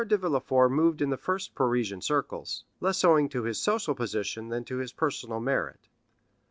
de Villefort moved in the first Parisian circles, less owing to his social position than to his personal merit.